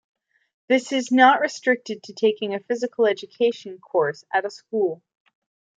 This is not restricted to taking a Physical Education course at a school.